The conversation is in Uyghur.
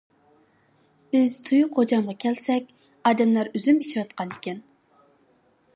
بىز تۇيۇق غوجامغا كەلسەك، ئادەملەر ئۈزۈم ئېچىۋاتقانىكەن.